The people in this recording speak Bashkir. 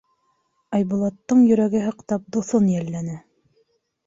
Айбулаттың йөрәге һыҡтап, дуҫын йәлләне.